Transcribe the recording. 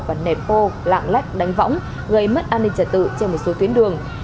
và nẹt bô lạng lách đánh võng gây mất an ninh trật tự trên một số tuyến đường